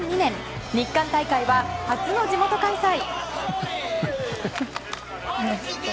日韓大会は、初の地元開催。